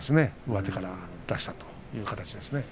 上手から出したという形ですね。